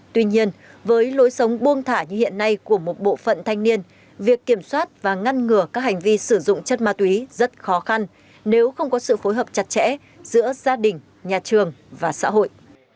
tuy nhiên với lối sống buông thả như hiện nay của một bộ phận thanh niên việc kiểm soát và ngăn ngừa các hành vi sử dụng chất ma túy rất khó khăn nếu không có sự phối hợp chặt chẽ giữa gia đình nhà trường và xã hội